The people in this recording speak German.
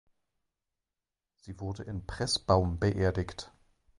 Sie wurde in Pressbaum beerdigt.